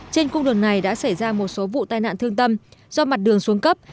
trên cung đường này đã xảy ra một số vụ tai nạn thương tâm do mặt đường xuống cấp